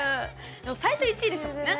最初１位でしたもんね。